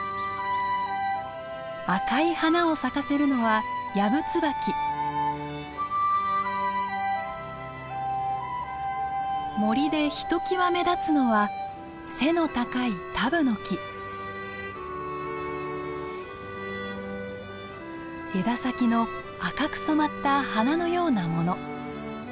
赤い花を咲かせるのは森でひときわ目立つのは背の高い枝先の赤く染まった花のようなもの。